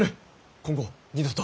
今後二度と。